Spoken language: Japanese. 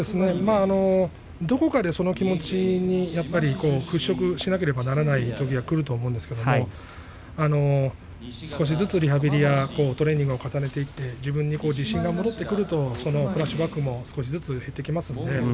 どこかでその気持ちを払拭しなければいけないときがくると思うんですけど少しずつリハビリやトレーニングを重ねていって自分に自信が戻ってくるとそのフラッシュバックも少しずつ減っていきます。